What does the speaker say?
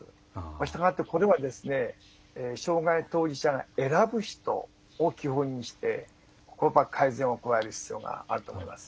したがってこれは障害当事者が選ぶ人を基本にして改善を加える必要があると思います。